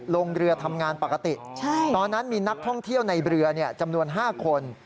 ลงเรือทำงานปกติตอนนั้นมีนักท่องเที่ยวในเรือจำนวน๕คน